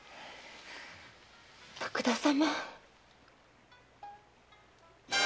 徳田様。